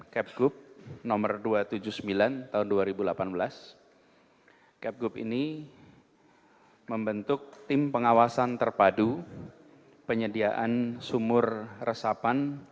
kepgub nomor dua ratus tujuh puluh sembilan tahun dua ribu delapan belas kepgub ini membentuk tim pengawasan terpadu penyediaan sumur resapan